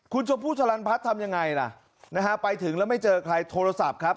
คุณชมพู่สลันพัฒน์ทำยังไงล่ะนะฮะไปถึงแล้วไม่เจอใครโทรศัพท์ครับ